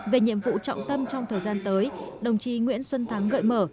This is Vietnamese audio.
về nhiệm vụ trọng tâm trong thời gian tới đồng chí nguyễn xuân thắng gợi mở